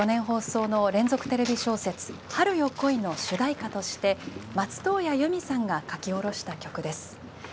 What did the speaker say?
放送の連続テレビ小説「春よ、来い」の主題歌として松任谷由実さんが書き下ろした曲です。